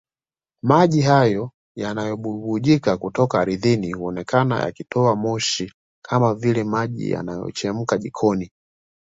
Maji hayo yanayobubujika kutoka ardhini huonekana yakitoa moshi kama vile maji yanayochemka jikoni